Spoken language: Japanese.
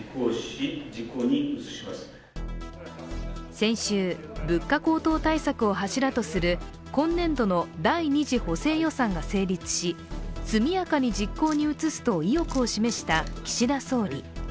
先週、物価高騰対策を柱とする今年度の第２次補正予算が成立し速やかに実行に移すと意欲を示した岸田総理。